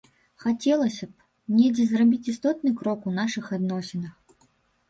Хацелася б недзе зрабіць істотны крок у нашых адносінах.